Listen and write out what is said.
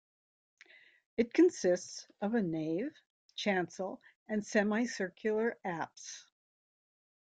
It consists of a nave, chancel and semicircular apse.